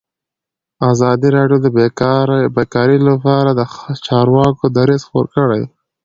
ازادي راډیو د بیکاري لپاره د چارواکو دریځ خپور کړی.